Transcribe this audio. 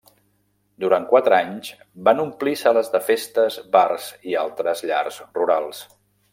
Durant quatre anys, van omplir sales de festes, bars i altres llars rurals.